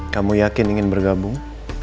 kamu yakin ingin bergabung